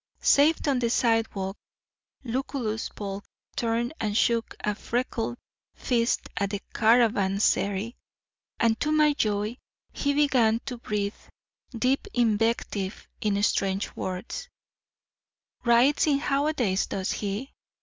Safe on the sidewalk, Lucullus Polk turned and shook a freckled fist at the caravansary. And, to my joy, he began to breathe deep invective in strange words: "Rides in howdays, does he?"